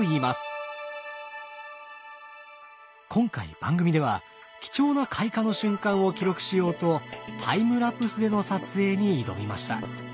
今回番組では貴重な開花の瞬間を記録しようとタイムラプスでの撮影に挑みました。